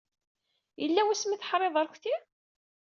Yella wasmi ay teḥriḍ arekti?